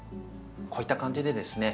こういった感じでですね